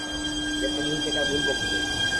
Captain Whittaker ভুল বকছে।